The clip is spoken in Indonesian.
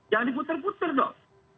jangan diputar putar dong